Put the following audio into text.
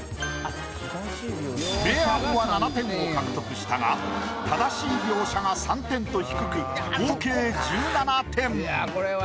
明暗は７点を獲得したが正しい描写が３点と低く合計１７点。